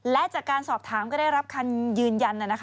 และจากการสอบถามก็ได้รับคำยืนยัน